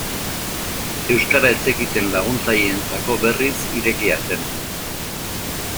Euskara ez zekiten laguntzaileentzako, berriz, irekia zen.